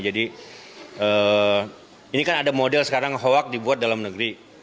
jadi ini kan ada model sekarang hoax dibuat dalam negeri